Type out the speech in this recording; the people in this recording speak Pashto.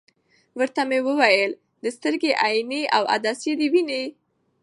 ورته ومي ویل: د سترګي عینیې او عدسیې دي وینې ؟